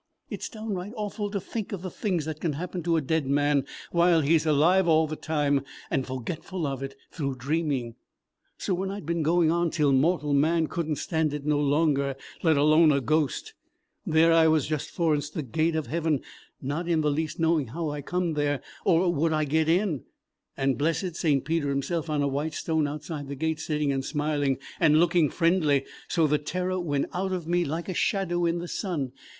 It's downright awful to think of the things that can happen to a dead man while he's alive all the time and forgetful of it through dreaming! "So when I'd been going on till mortal man could n't stand it no longer, let alone a ghost, there I was just forninst the gate of Heaven, not in the least knowing how I come there or would I get in; and blessed St. Peter himself on a white stone outside the gate sitting and smiling and looking friendly so the terror went out of me like a shadow in the sun.